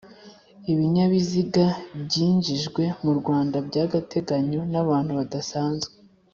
ibinyabiziga byinjijwe mu Rwanda by'agateganyo n'abantu badasanzwe